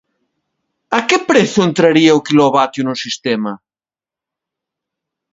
¿A que prezo entraría o quilovatio no sistema?